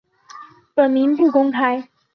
本名不公开。